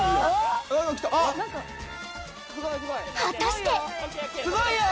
すごい。